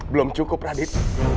belum cukup radit